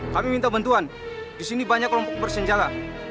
kami minta bantuan di sini banyak kelompok bersenjala